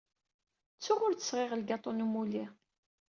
Ttuɣ ur d-sɣiɣ lgaṭu n umulli.